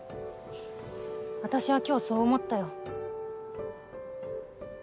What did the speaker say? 私は今日そう思ったよ。